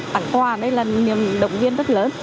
tặng quà đây là niềm động viên rất lớn